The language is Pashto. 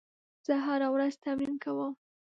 زه هره ورځ تمرین کوم.